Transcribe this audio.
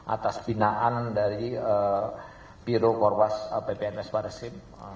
atas binaan dari biro korwas ppns barreskrim